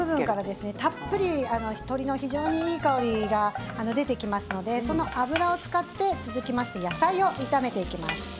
たっぷり鶏の香りが出てきますのでその脂を使って続きまして野菜を炒めていきます。